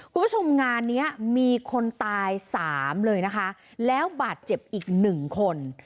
คุณผู้ชมงานนี้มีคนตายสามเลยนะคะแล้วบาดเจ็บอีกหนึ่งคน